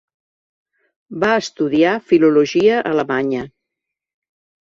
Va estudiar filologia alemanya.